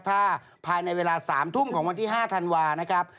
ถ้าภายในเวลา๓ทุ่มของวันที่๕ธันวานะครับ